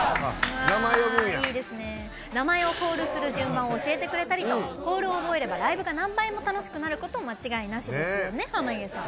名前をコールする順番を教えてくれたりとコールを覚えればライブが何倍も楽しくなること間違いなしですよね、濱家さん。